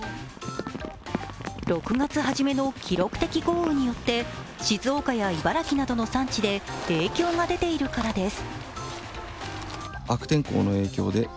６月初めの記録的豪雨によって、静岡や茨城などの産地で影響が出ているからです。